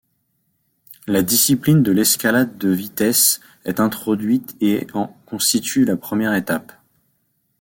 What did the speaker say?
La discipline de l'escalade de vitesse est introduite et en constitue la première étape.